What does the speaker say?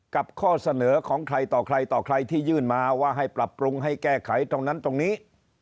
ข้อเสนอของใครต่อใครต่อใครที่ยื่นมาว่าให้ปรับปรุงให้แก้ไขตรงนั้นตรงนี้